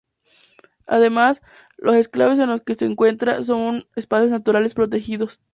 Además, los enclaves en los que se encuentra son espacios naturales protegidos.